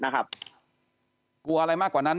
กลัวอะไรมากกว่านั้น